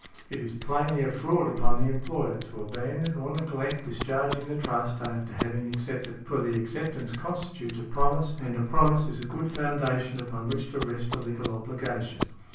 It is plainly a fraud upon the employer to abandon or neglect discharging the trust after having accepted it, for the acceptance constitutes a promise, and a promise is a good foundation upon which to rest a legal obligation.